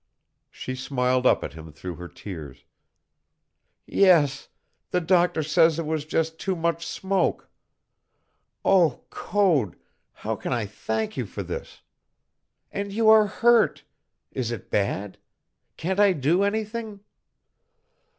She smiled up at him through her tears. "Yes, the doctor says it was just too much smoke. Oh, Code, how can I thank you for this? And you are hurt! Is it bad? Can't I do anything?"